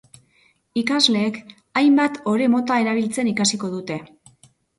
Ikasleek hainbat ore mota erabiltzen ikasiko dute.